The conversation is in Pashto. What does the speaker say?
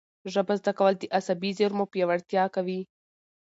ژبه زده کول د عصبي زېرمو پیاوړتیا کوي.